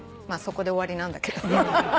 まあそこで終わりなんだけど。